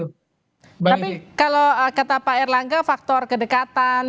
tapi kalau kata pak erlangga faktor kedekatan